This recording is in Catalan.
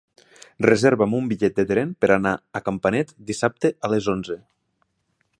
Reserva'm un bitllet de tren per anar a Campanet dissabte a les onze.